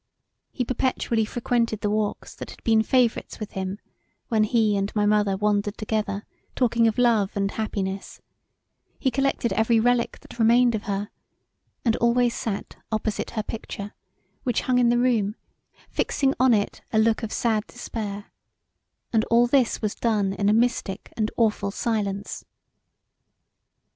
] He perpetually frequented the walks that had been favourites with him when he and my mother wandered together talking of love and happiness; he collected every relick that remained of her and always sat opposite her picture which hung in the room fixing on it a look of sad despair and all this was done in a mystic and awful silence.